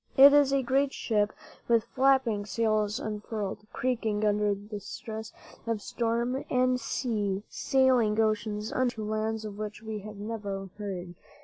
It is a great ship, with flapping sails unfurled, creaking under stress of storm and sea, sailing oceans unknown to lands of which we have never heard.